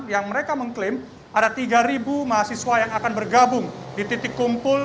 yang mereka mengklaim ada tiga mahasiswa yang akan bergabung di titik kumpul